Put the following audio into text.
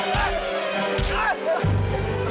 gak usah pake uang